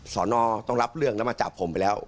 สอนอต้องรับเรื่องแล้วมาจับผมไปแล้ว